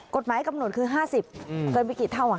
กฎหมายกำหนดคือห้าสิบอืมเติมไปกี่เท่าว่า